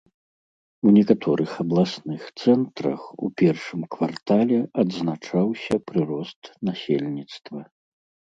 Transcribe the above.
У некаторых абласных цэнтрах у першым квартале адзначаўся прырост насельніцтва.